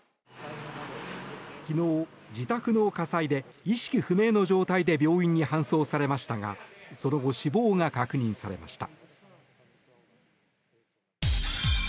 昨日、自宅の火災で意識不明の状態で病院に搬送されましたがその後、死亡が確認されました。